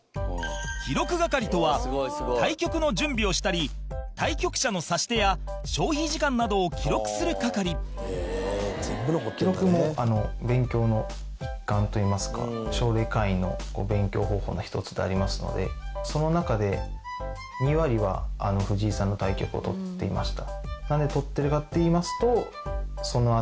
記録係とは対局の準備をしたり対局者の指し手や消費時間などを記録する係記録も勉強の一環といいますか奨励会員の勉強方法の一つでありますのでその中で、２割は藤井さんの対局を取っていました。